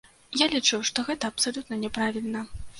Я лічу, што гэта абсалютна няправільна.